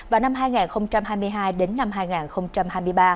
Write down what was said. vào năm hai nghìn hai mươi hai đến năm hai nghìn hai mươi ba